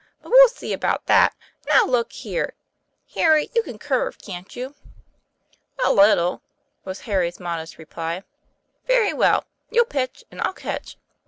"But we'll see about that. Now, look here! Harry, you can curve, can't you?" "A little," was Harry's modest reply. "Very well; you'll pitch and I'll catch.